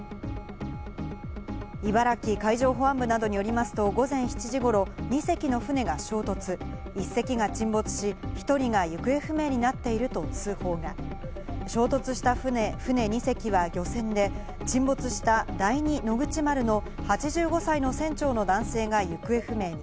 茨城海上保安部などによりますと、午前７時ごろ、２隻の船が衝突、１隻が沈没し、１人が行方不明になっていると通報が衝突した船２隻は漁船で、沈没した第二野口丸の８５歳の船長の男性が行方不明に。